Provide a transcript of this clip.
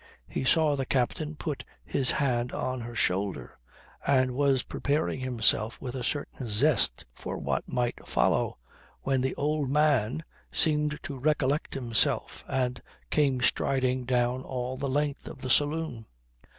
He saw the captain put his hand on her shoulder, and was preparing himself with a certain zest for what might follow, when the "old man" seemed to recollect himself, and came striding down all the length of the saloon.